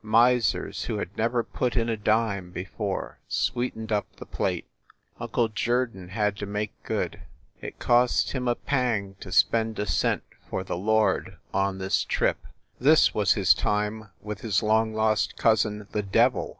Misers who had never put in a dime before sweetened up the plate. Uncle Jerdon had to make good. It cost him a pang to spend a cent for the Lord on this trip this was his time with his long lost cousin, the devil.